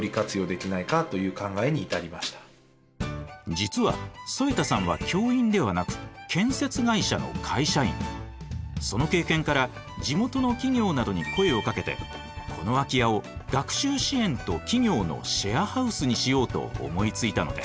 実は添田さんはその経験から地元の企業などに声をかけてこの空き家を学習支援と企業のシェアハウスにしようと思いついたのです。